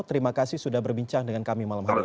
terima kasih sudah berbincang dengan kami malam hari ini